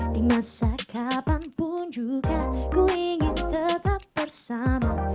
di masa kapanpun juga ku ingin tetap bersama